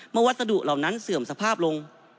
วัสดุเหล่านั้นเสื่อมสภาพลง